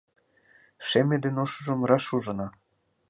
Шеме ден ошыжым раш ужына!